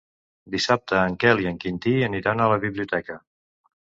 Dissabte en Quel i en Quintí aniran a la biblioteca.